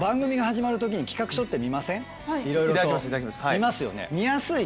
見ますよね。